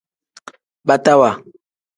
Batawa.